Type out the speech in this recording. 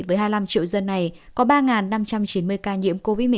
với hai mươi năm triệu dân này có ba năm trăm chín mươi ca nhiễm covid một mươi chín